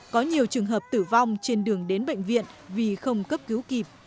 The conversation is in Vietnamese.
có nhiều trường hợp tử vong trên đường đến bệnh viện vì không cấp cứu kịp